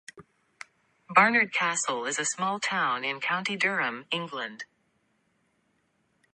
Barnard Castle is a small town in County Durham, England.